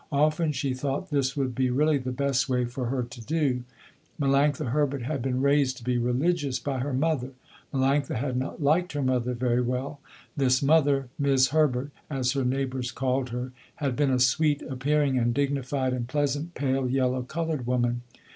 Often she thought this would be really the best way for her to do. Melanctha Herbert had been raised to be religious, by her mother. Melanctha had not liked her mother very well. This mother, 'Mis' Herbert, as her neighbors called her, had been a sweet appearing and dignified and pleasant, pale yellow, colored woman.